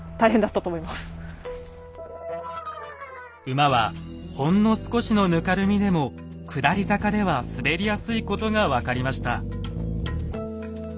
馬はほんの少しのぬかるみでも下り坂では滑りやすいことが分かりました。